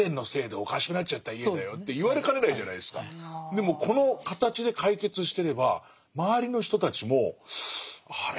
でもこの形で解決してれば周りの人たちもあれ？